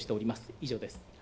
以上です。